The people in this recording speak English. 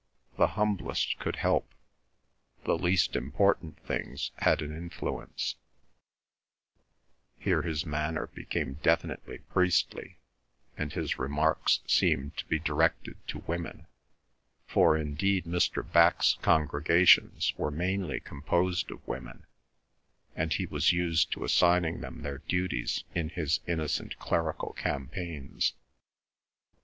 The humblest could help; the least important things had an influence (here his manner became definitely priestly and his remarks seemed to be directed to women, for indeed Mr. Bax's congregations were mainly composed of women, and he was used to assigning them their duties in his innocent clerical campaigns).